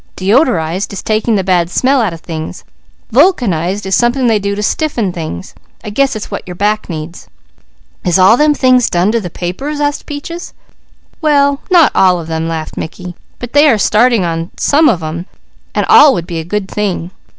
'Deodorized,' is taking the bad smell out of things. 'Vulcanized,' is something they do to stiffen things. I guess it's what your back needs." "Is all them things done to the papers?" asked Peaches. "Well, not all of them," laughed Mickey, "but they are starting in on some of them, and all would be a good thing.